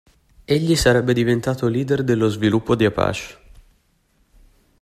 Egli sarebbe diventato leader dello sviluppo di Apache.